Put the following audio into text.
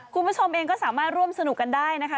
คุณผู้ชมเองก็สามารถร่วมสนุกกันได้นะคะ